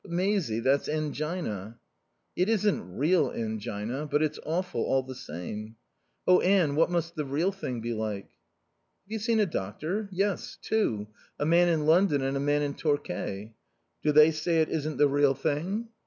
"But, Maisie, that's angina." "It isn't real angina; but it's awful, all the same. Oh, Anne, what must the real thing be like?" "Have you seen a doctor?" "Yes, two. A man in London and a man in Torquay." "Do they say it isn't the real thing?"